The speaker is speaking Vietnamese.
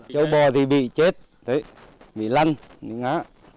trâu bò thì bị chết bị lăn bị ngã